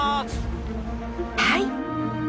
はい。